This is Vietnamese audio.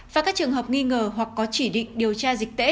và các trường hợp nghi ngờ hoặc có chỉ định điều tra dịch tễ